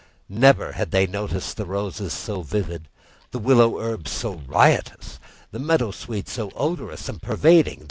Never had they noticed the roses so vivid, the willow herb so riotous, the meadow sweet so odorous and pervading.